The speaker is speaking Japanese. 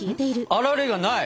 あられがない！